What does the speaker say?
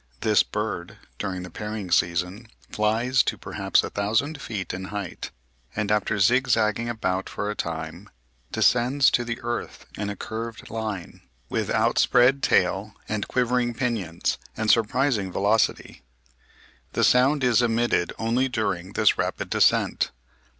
This bird, during the pairing season, flies to "perhaps a thousand feet in height," and after zig zagging about for a time descends to the earth in a curved line, with outspread tail and quivering pinions, and surprising velocity. The sound is emitted only during this rapid descent.